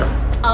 hei mas ifrah